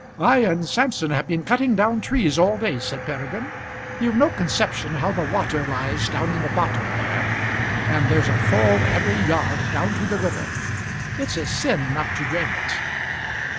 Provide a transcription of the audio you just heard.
"I and Samson have been cutting down trees all day," said Peregrine. "You've no conception how the water lies down in the bottom there; and there's a fall every yard down to the river. It's a sin not to drain it."